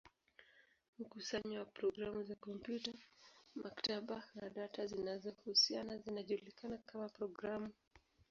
Mkusanyo wa programu za kompyuta, maktaba, na data zinazohusiana zinajulikana kama programu.